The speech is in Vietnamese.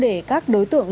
và các đối tượng